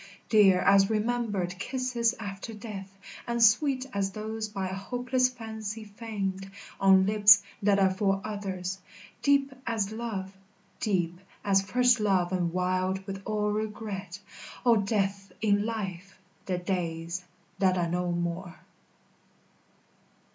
Dear as remembered kisses after death, And sweet as those by hopeless fancy feigned On lips that are for others; deep as love, Deep as first love and wild with all regret, O Death in Life, the days that are no more.